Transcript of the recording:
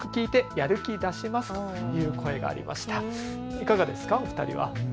いかがですかお二人は。